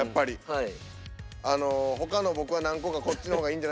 はい！